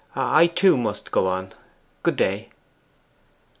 I too must go on. Good day.